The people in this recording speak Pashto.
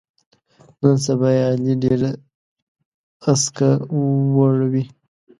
نن سبا یې علي ډېره اسکه وړوي.